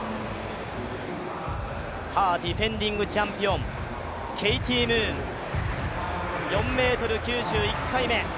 ディフェンディングチャンピオン、ケイティ・ムーン、４ｍ９０、１回目。